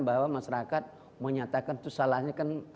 bahwa masyarakat menyatakan itu salahnya kan